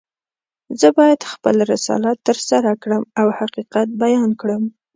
زه باید خپل رسالت ترسره کړم او حقیقت بیان کړم.